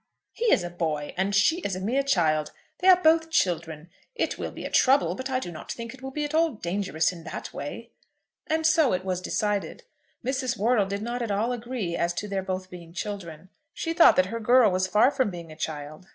"He is a boy, and she is a mere child. They are both children. It will be a trouble, but I do not think it will be at all dangerous in that way." And so it was decided. Mrs. Wortle did not at all agree as to their both being children. She thought that her girl was far from being a child.